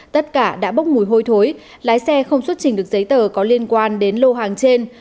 tất cả đã bốc mùi hôi thối lái xe không xuất trình được giấy tờ có liên quan đến lô hàng trên